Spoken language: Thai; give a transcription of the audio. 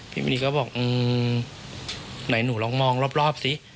พี่มณีก็บอกอืมไหนหนูลองมองรอบสิ